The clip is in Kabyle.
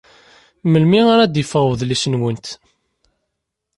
Melmi ara d-yeffeɣ wedlis-nwent?